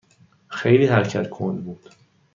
خیلی حرکت کند بود.